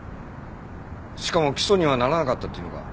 しかも起訴にはならなかったというのか？